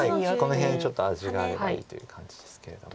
この辺ちょっと味があればいいという感じですけれども。